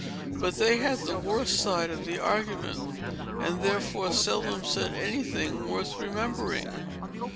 "But they had the worst side of the argument, and therefore seldom said any thing worth remembering.